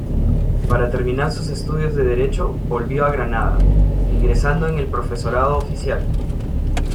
Para terminar sus estudios de Derecho volvió a Granada, ingresando en el profesorado oficial.